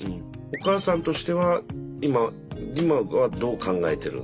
お母さんとしては今今はどう考えてるんですか？